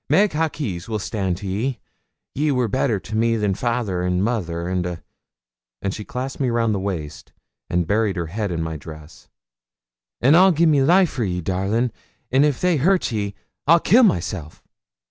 Meg Hawkes will stan' to ye. Ye were better to me than fayther and mother, and a';' and she clasped me round the waist, and buried her head in my dress; 'an I'll gie my life for ye, darling, and if they hurt ye I'll kill myself.'